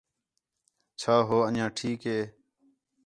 چَھا ہُو انجیاں ٹھیک ہے؟